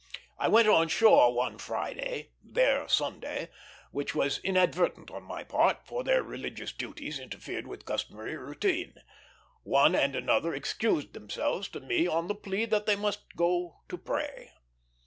I went on shore one Friday, their Sunday, which was inadvertent on my part, for their religious duties interfered with customary routine; one and another excused themselves to me on the plea that they must go to pray.